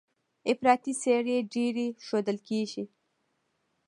افراطي څېرې ډېرې ښودل کېږي.